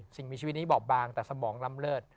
สิ่งมีชีวิตนี้บอบบางแต่สมองล้ำเลิศ